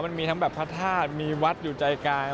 มันมีทั้งแบบพระธาตุมีวัดอยู่ใจกลาง